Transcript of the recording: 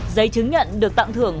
giấy chứng nhận được tặng thưởng